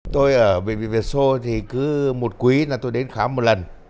tôi ở bệnh viện việt xô thì cứ một quý là tôi đến khám một lần